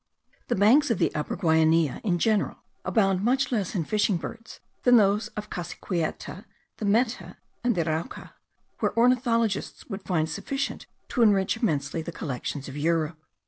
The banks of the Upper Guainia in general abound much less in fishing birds than those of Cassiquiare, the Meta, and the Arauca, where ornithologists would find sufficient to enrich immensely the collections of Europe.